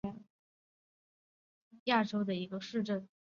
洛伊波尔茨格林是德国巴伐利亚州的一个市镇。